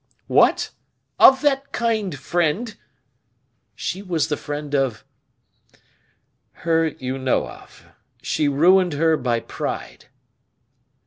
"What! of that kind friend?" "She was the friend of her you know of. She ruined her by pride."